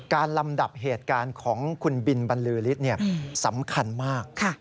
ลำดับเหตุการณ์ของคุณบินบรรลือฤทธิ์สำคัญมาก